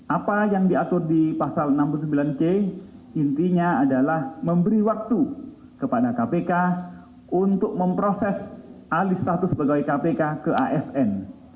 apa yang diatur di pasal enam puluh sembilan c intinya adalah memberi waktu kepada kpk untuk memproses alih status pegawai kpk ke asn